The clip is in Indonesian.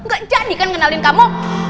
gak jadikan ngenalin kamu